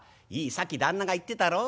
さっき旦那が言ってたろ？